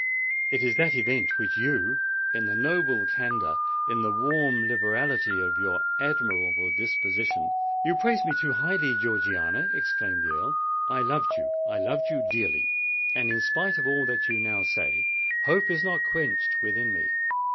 It is that event, which you—in the noble candour, in the warm liberality of your admirable disposition——" "You praise me too highly, Georgiana," exclaimed the Earl. "I loved you—I love you dearly; and in spite of all that you now say, hope is not quenched within me.